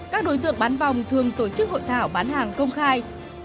các đối tượng bán vòng thường tổ chức hội thảo bán hàng công khai